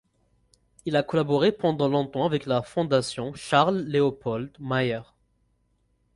Il a collaboré pendant longtemps avec la Fondation Charles Léopold Mayer.